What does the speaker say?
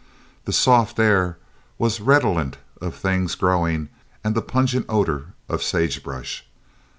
The soft air was redolent of things growing and the pungent odor of sagebrush.